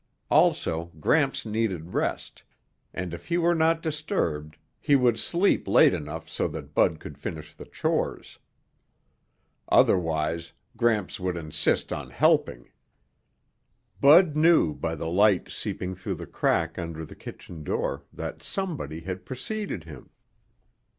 Also, Gramps needed rest, and if he were not disturbed, he would sleep late enough so that Bud could finish the chores. Otherwise, Gramps would insist on helping. Bud knew by the light seeping through the crack under the kitchen door that somebody had preceded him.